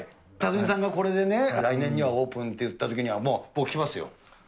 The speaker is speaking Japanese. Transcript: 辰己さんがこれでね、来年にはオープンっていったときには、僕は来ますよ。